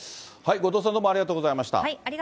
後藤さん、どうもありがとうございました。